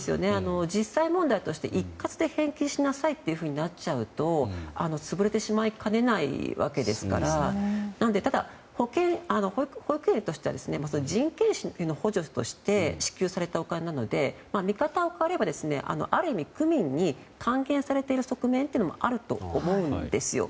実際問題として一括で返金しなさいとなっちゃうと潰れてしまいかねないわけですからただ、保育園としては人件費の補助として支給されたお金なので見方を変えればある意味区民に還元されている側面というのもあると思うんですよ。